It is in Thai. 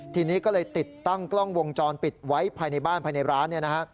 ทีนี้ก็เลยติดตั้งกล้องวงจรปิดไว้ภายในบ้านภายในร้านเนี่ยนะฮะ